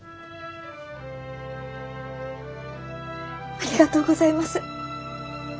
ありがとうございます。